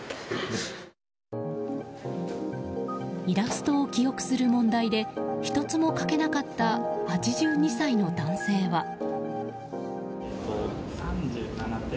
イラストを記憶する問題で１つも書けなかった８２歳の男性は。